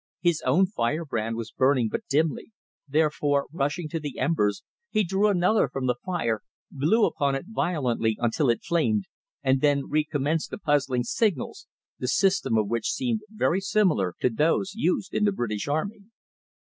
His own fire brand was burning but dimly, therefore, rushing to the embers, he drew another from the fire, blew upon it violently until it flamed, and then recommenced the puzzling signals, the system of which seemed very similar to those used in the British Army.